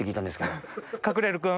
隠れる君？